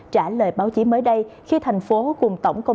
trả lời báo chí mới đây khi thành phố